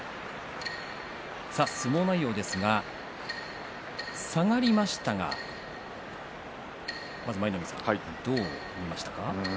相撲内容ですが下がりましたがまず舞の海さん、どう見ましたか。